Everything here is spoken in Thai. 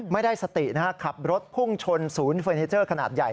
ไม่ได้สตินะฮะขับรถพุ่งชนศูนย์เฟอร์นิเจอร์ขนาดใหญ่